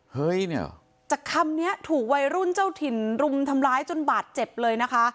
เฮ้ยเนี่ยจากคำนี้ถูกวัยรุ่นเจ้าถิ่นรุมทำร้ายจนบาดเจ็บเลยนะคะ